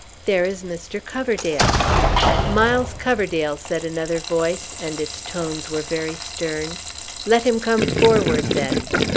"There is Mr. Coverdale!" "Miles Coverdale!" said another voice, and its tones were very stern. "Let him come forward, then!"